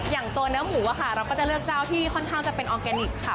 อย่างตัวเนื้อหมูค่ะเราก็จะเลือกเจ้าที่ค่อนข้างจะเป็นออร์แกนิคค่ะ